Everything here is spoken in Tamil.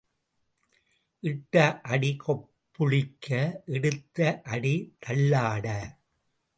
இட்ட அடி கொப்புளிக்க எடுத்த அடி தள்ளாட.